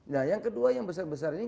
nah yang kedua yang besar besar ini